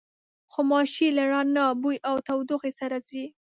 غوماشې له رڼا، بوی او تودوخې سره ځي.